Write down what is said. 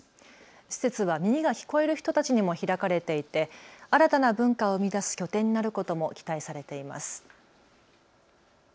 施設は耳が聞こえる人たちにも開かれていて、新たな文化を生み出す拠点になることも期待されています。